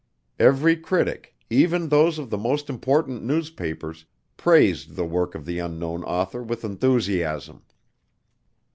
Every critic, even those of the most important newspapers; praised the work of the unknown author with enthusiasm.